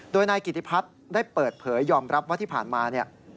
โดยนายกิติพัฒน์ได้เปิดเผยยอมรับว่าที่ผ่านมาเนี่ย